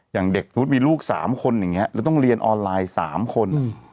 อย่างเด็กมีลูก๓คนอย่างนี้แล้วต้องเรียนออนไลน์๓คน